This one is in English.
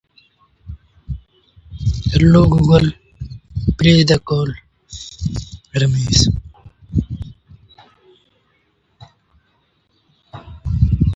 Hans Gaffron became his collaborator.